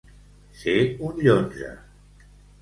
Ser un llonze.